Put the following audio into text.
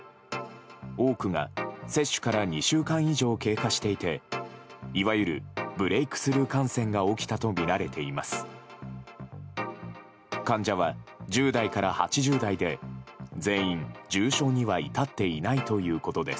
多くが接種から２週間以上経過していていわゆるブレークスルー感染が起きたとみられています。